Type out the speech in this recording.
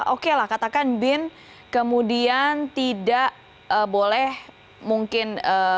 oke lah katakan bin kemudian tidak boleh mungkin